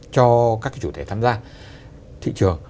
cho các chủ thể tham gia thị trường